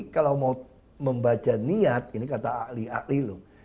kalau mau membaca niat ini kata akli akli loh